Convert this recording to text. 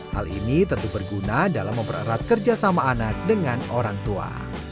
hal ini tentu berguna dalam mempererat kerjasama anak dengan orang tua